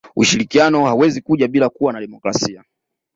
ushirikiano hauwezi kuja bila kuwa na demokrasia